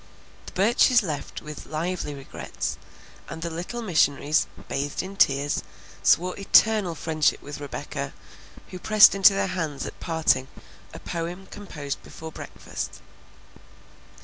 The Burches left with lively regrets, and the little missionaries, bathed in tears, swore eternal friendship with Rebecca, who pressed into their hands at parting a poem composed before breakfast.